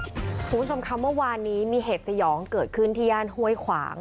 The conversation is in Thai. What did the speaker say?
คุณผู้ชมค่ะเมื่อวานนี้มีเหตุสยองเกิดขึ้นที่ย่านห้วยขวาง